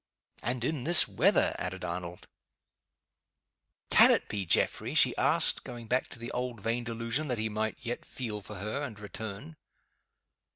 "And in this weather!" added Arnold. "Can it be Geoffrey?" she asked going back to the old vain delusion that he might yet feel for her, and return.